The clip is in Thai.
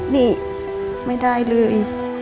นี่ไม่ได้เลย